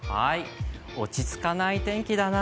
落ち着かない天気だな